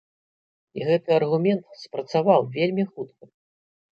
І гэты аргумент спрацаваў вельмі хутка!